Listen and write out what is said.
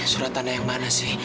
surat tanah yang mana sih